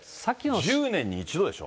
１０年に一度でしょ。